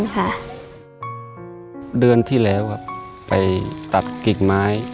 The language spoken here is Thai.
เขาเลยต้องไปขอยื้นข้างบ้านเขามาก่อน